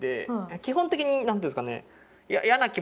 基本的に何て言うんですかね